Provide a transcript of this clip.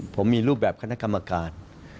ผมมีรูปแบบคณะกรรมการ